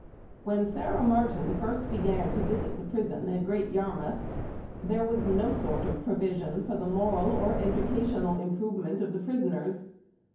When Sarah Martin first began to visit the prison at Great Yarmouth, there was no sort of provision for the moral or educational improvement of the prisoners.